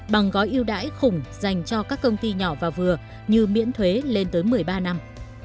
bằng gói yêu đãi khủng dành cho các công ty nhỏ và vừa như miễn thuế lên tới một mươi ba năm